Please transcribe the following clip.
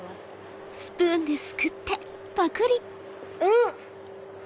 うん！